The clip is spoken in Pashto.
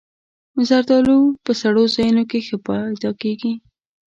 زردالو په سړو ځایونو کې ښه پیدا کېږي.